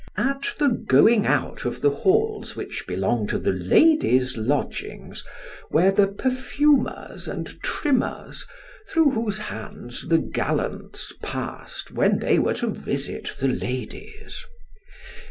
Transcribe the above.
At the going out of the halls which belong to the ladies' lodgings were the perfumers and trimmers through whose hands the gallants passed when they were to visit the ladies.